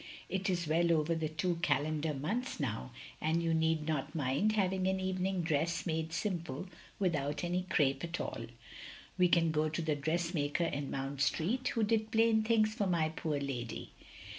It is well over the two calendar months now, and you need not mind having an evening dress made simple, without any crape at all. We can go to the dressmaker in Mount Street, who did plain things for my poor lady.